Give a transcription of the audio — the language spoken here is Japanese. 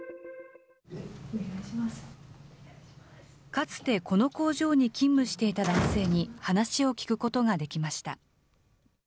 かつてこの工場に勤務していた男性に話を聞くことができました。